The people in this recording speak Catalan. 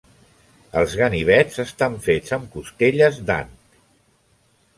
Els ganivets estan fets amb costelles d'ant.